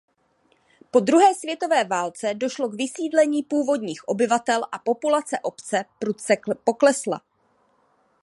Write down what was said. Po druhé světové válce došlo k vysídlení původních obyvatel a populace obce prudce poklesla.